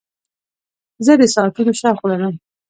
زه د ساعتونو شوق لرم.